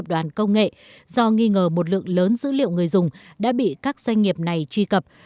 đoàn công nghệ do nghi ngờ một lượng lớn dữ liệu người dùng đã bị các doanh nghiệp này truy cập